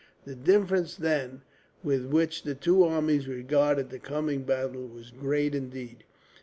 The difference, then, with which the two armies regarded the coming battle was great, indeed.